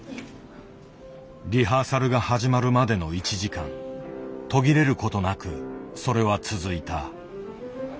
リハーサルが始まるまでの１時間途切れることなくそれは続いた。